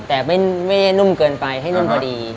แต่ไม่ได้นุ่มเกินไปให้นุ่มพอดี